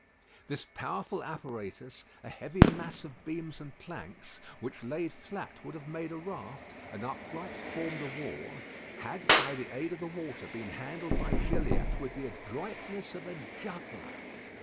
This powerful apparatus, a heavy mass of beams and planks, which laid flat would have made a raft, and upright formed a wall, had by the aid of the water been handled by Gilliatt with the adroitness of a juggler.